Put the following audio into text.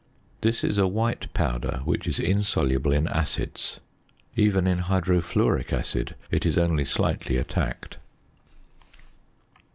This is a white powder, which is insoluble in acids; even in hydrofluoric acid it is only slightly attacked.